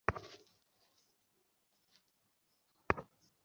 আচ্ছা, ওতেই চলে যাবে মনে হয়।